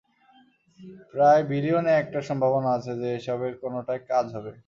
প্রায় বিলিয়নে একটা সম্ভাবনা আছে যে এসবের কোনটায় কাজ হবে।